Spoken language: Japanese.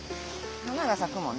花が咲くもんね。